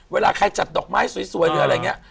เวลาใครจัดดอกไม้สวยหรืออะไรอย่างนี้